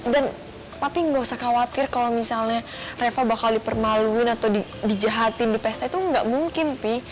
dan papi nggak usah khawatir kalau misalnya reva bakal dipermaluin atau dijahatin di pesta itu nggak mungkin pi